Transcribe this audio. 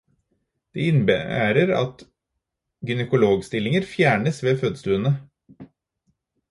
Det innebærer at gynekologstillinger fjernes ved fødestuene.